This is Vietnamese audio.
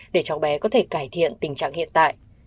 để cháu bé có thể cải thiện tình trạng hiện tại